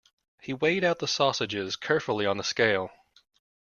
He weighed out the sausages carefully on the scale.